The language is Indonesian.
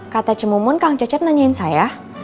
kata cimumun kang cecep nanyain saya